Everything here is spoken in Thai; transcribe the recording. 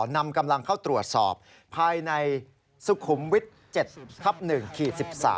นำกำลังเข้าตรวจสอบภายในสุขุมวิทย์๗ทับ๑ขีด๑๓